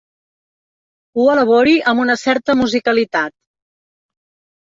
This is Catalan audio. Ho elabori amb una certa musicalitat.